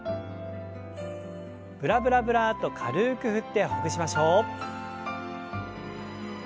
ブラブラブラッと軽く振ってほぐしましょう。